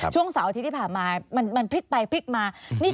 ช่วงเสาที่ผ่านมามันพลิกไปพลิกมา